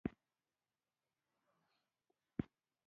په غونډه کې پر بل واقعیت هم خبر شوم.